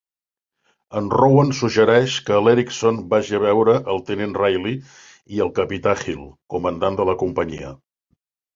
En Rowan suggereix que l'Eriksson vagi a veure el tinent Reilly i el capità Hill, comandant de la companyia.